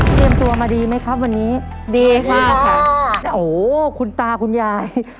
เตรียมตัวมาดีไหมครับวันนี้ดีมากค่ะโอ้โหคุณตาคุณยาย